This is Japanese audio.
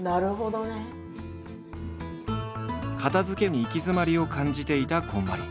片づけに行き詰まりを感じていたこんまり。